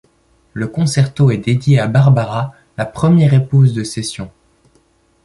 Le concerto est dédié à Barbara, la première épouse de Sessions.